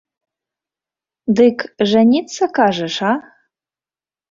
Дык жаніцца, кажаш, а?